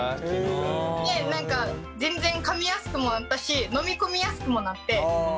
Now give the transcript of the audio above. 何か全然かみやすくもなったし飲み込みやすくもなって。